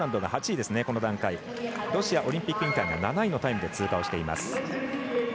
ロシアオリンピック委員会が７位のタイムで通過しています。